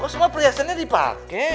kok semua perhiasannya dipake